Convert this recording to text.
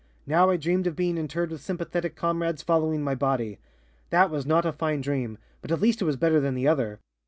Now I dreamed of being interred with sympathetic comrades following my body. That was not a fine dream, but at least it was better than the other.